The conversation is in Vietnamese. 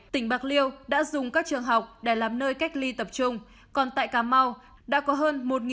tỉnh bạc liêu đã dùng các trường học để làm nơi cách ly tập trung còn tại cà mau đã có hơn một hai trăm linh